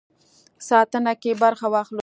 ساتنه کې برخه واخلو.